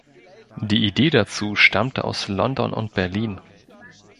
Die Idee dazu stammte aus London und Berlin.